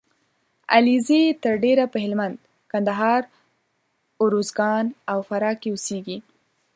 علیزي تر ډېره په هلمند ، کندهار . روزګان او فراه کې اوسېږي